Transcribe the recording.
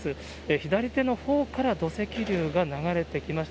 左手のほうから土石流が流れてきました。